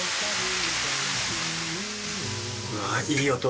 うわあいい音！